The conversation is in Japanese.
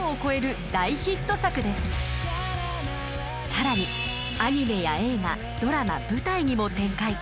更にアニメや映画ドラマ舞台にも展開。